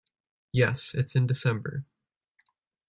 Yes, it's in December.